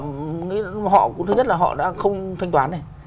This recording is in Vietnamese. họ cũng thứ nhất là họ đã không thanh toán này